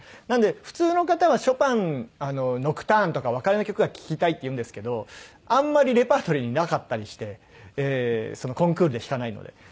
なので普通の方はショパン『ノクターン』とか『別れの曲』が聴きたいっていうんですけどあんまりレパートリーになかったりしてコンクールで弾かないので。